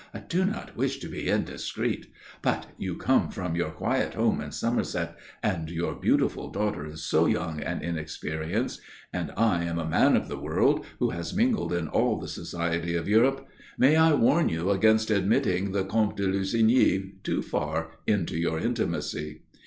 "I do not wish to be indiscreet but you come from your quiet home in Somerset and your beautiful daughter is so young and inexperienced, and I am a man of the world who has mingled in all the society of Europe may I warn you against admitting the Comte de Lussigny too far into your intimacy."